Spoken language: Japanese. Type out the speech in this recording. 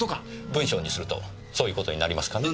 文章にするとそういう事になりますかね。